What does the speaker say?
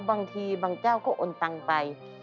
บางทีบางเจ้าก็โอนตังไป